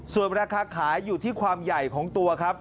ส่วนราคาขายอยู่ที่ความใหญ่ของตัวครับ